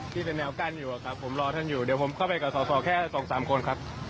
ที่เป็นแนวกั้นอยู่ครับผมรอท่านอยู่เดี๋ยวผมเข้าไปกับสอสอแค่สองสามคนครับ